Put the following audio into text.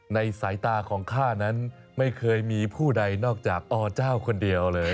สายตาของข้านั้นไม่เคยมีผู้ใดนอกจากอเจ้าคนเดียวเลย